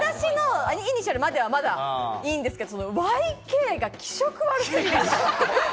私のイニシャルまでは、まだいいんですけれど、「Ｙ」、「Ｋ」が気色悪すぎる。